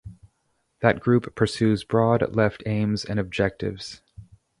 That group pursues broad left aims and objectives.